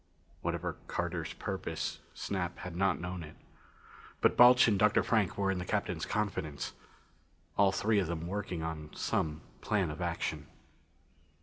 Whatever Carter's purpose, Snap had not known it. But Balch and Dr. Frank were in the Captain's confidence all three of them working on some plan of action.